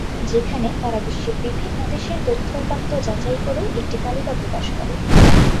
যেখানে তারা বিশ্বের বিভিন্ন দেশের তথ্য-উপাত্ত যাচাই করে একটি তালিকা প্রকাশ করে।